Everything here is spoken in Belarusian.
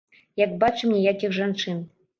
Як бачым, ніякіх жанчын.